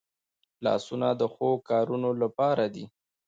لاسونه د ښو کارونو لپاره دي